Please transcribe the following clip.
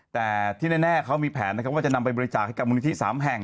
แต่ที่แน่เขามีแผนนะครับว่าจะนำไปบริจาคให้กับมูลนิธิ๓แห่ง